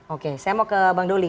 oke saya mau ke bang doli